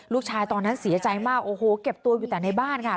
ตอนนั้นเสียใจมากโอ้โหเก็บตัวอยู่แต่ในบ้านค่ะ